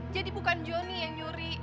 jadi bukan jonny yang nyuri